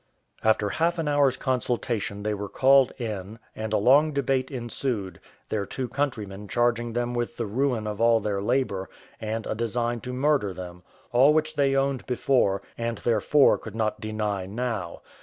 After half an hour's consultation they were called in, and a long debate ensued, their two countrymen charging them with the ruin of all their labour, and a design to murder them; all which they owned before, and therefore could not deny now.